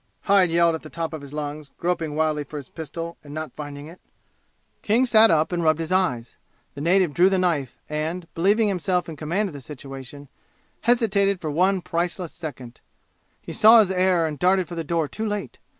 Hyde yelled at the top of his lungs, groping wildly for his pistol and not finding it. King sat up and rubbed his eyes. The native drew the knife, and believing himself in command of the situation hesitated for one priceless second. He saw his error and darted for the door too late.